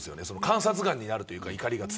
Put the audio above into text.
観察眼になるというか、怒りが。